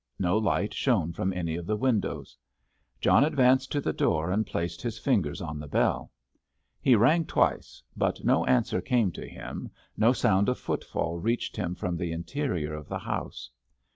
No light shone from any of the windows. John advanced to the door and placed his fingers on the bell. He rang twice, but no answer came to him, no sound of footfall reached him from the interior of the house.